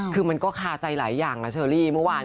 คือมันก็คาใจหลายอย่างนะเชอรี่เมื่อวาน